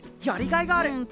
やりがいがある。